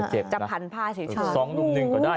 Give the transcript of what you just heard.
จะเจ็บนะสองรุ่นหนึ่งก็ได้